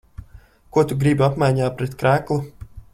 Ko tu gribi apmaiņā pret kreklu?